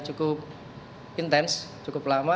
cukup intens cukup lama